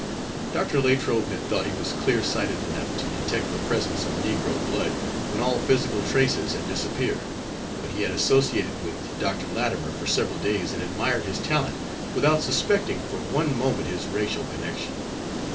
Dr. Latrobe had thought he was clear sighted enough to detect the presence of negro blood when all physical traces had disappeared. But he had associated with Dr. Latimer for several days, and admired his talent, without suspecting for one moment his racial connection.